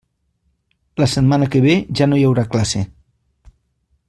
La setmana que ve ja no hi haurà classe.